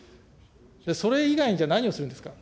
それ以外に、じゃあ何をするんですか。